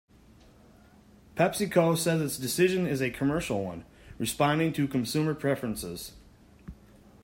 PepsiCo says its decision is a commercial one - responding to consumer preferences.